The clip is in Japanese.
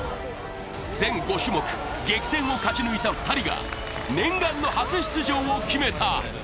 全５種目、激戦を勝ち抜いた２人が念願の初出場を決めた。